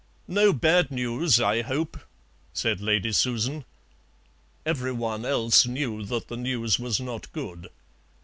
"No bad news, I hope," said Lady Susan. Every one else knew that the news was not good.